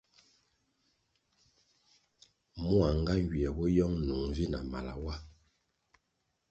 Mua nga nywie bo yong nung vi na mala wa.